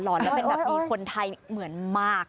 แล้วเป็นแบบมีคนไทยเหมือนมาก